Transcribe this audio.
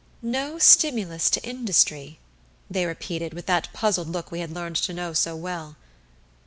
"No stimulus to industry," they repeated, with that puzzled look we had learned to know so well.